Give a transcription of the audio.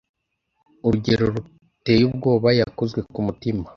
Urugero ruteye ubwoba. Yakozwe ku mutima,